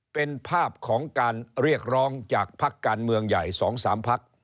เป็นภาพของการเรียกร้องจากพักการเมืองใหญ่๒๓พัก